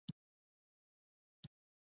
سپین سهارونه خاندي